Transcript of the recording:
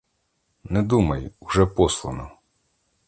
Не думай, уже послано.